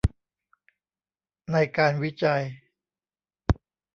ในการวิจัย